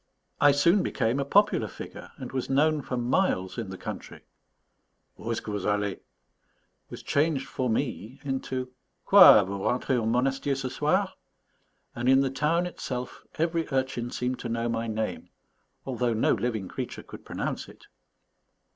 I soon became a popular figure, and was known for miles in the country. Où'st ce que vous allez? was changed for me into Quoi, vous rentrez au Monastier ce soir? and in the town itself every urchin seemed to know my name, although no living creature could pronounce it.